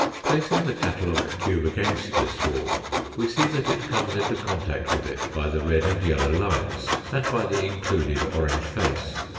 Placing the catalogue cube against this wall we see that it comes into contact with it by the red and yellow lines, and by the included orange face.